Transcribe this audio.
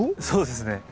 そうですね。